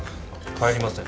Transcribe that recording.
帰りません。